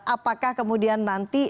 apakah kemudian nanti